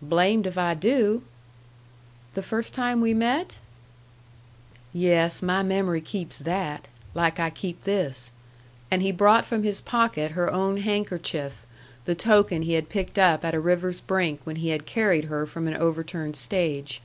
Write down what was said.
"Blamed if I do!" "The first time we met?" "Yes; my mem'ry keeps that like I keep this." And he brought from his pocket her own handkerchief, the token he had picked up at a river's brink when he had carried her from an overturned stage.